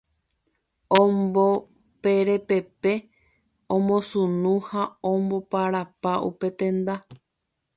Omboperepepe, omosunu ha omboparapa upe tenda.